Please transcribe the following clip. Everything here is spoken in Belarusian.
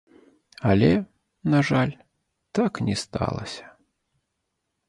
Але, на жаль, так не сталася.